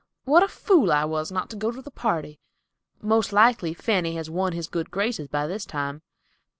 What a fool I was not to go to the party. Most likely Fanny has won his good graces by this time.